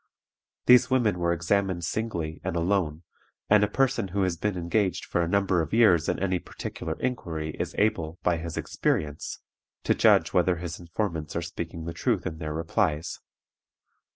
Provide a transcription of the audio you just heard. These women were examined singly and alone, and a person who has been engaged for a number of years in any particular inquiry is able, by his experience, to judge whether his informants are speaking the truth in their replies.